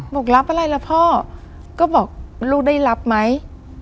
บอกรับอะไรล่ะพ่อก็บอกลูกได้รับไหม